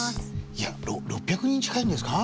いや６００人近いんですか？